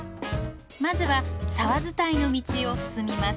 まずは沢伝いの道を進みます。